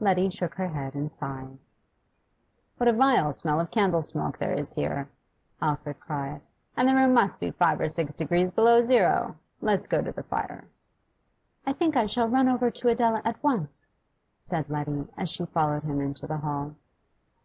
Letty shook her head and sighed. 'What a vile smell of candle smoke there is here!' Alfred cried. 'And the room must be five or six degrees below zero. Let's go to the fire.' 'I think I shall run over to Adela at once,' said Letty, as she followed him into the hall.